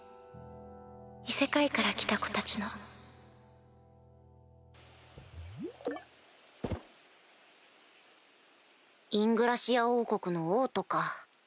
異世界から来た子たちのイングラシア王国の王都か。